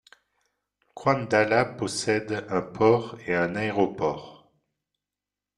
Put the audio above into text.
Qandala possède un port et un aéroport.